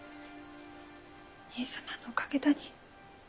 兄さまのおかげだに。